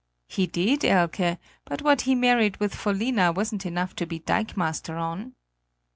"He did, Elke; but what he married with Vollina wasn't enough to be dikemaster on."